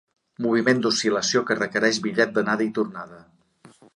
Moviment d'oscil·lació que requereix bitllet d'anada i tornada.